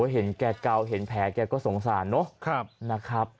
เห็นแกเก่าเห็นแผลแกก็สงสารเนอะนะครับ